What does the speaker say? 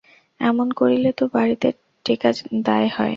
এমন করিলে তো বাড়িতে টেঁকা দায় হয়।